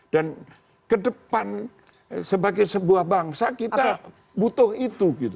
dan ke depan sebagai sebuah bangsa kita butuh itu gitu